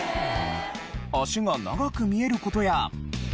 足が長く見える事や。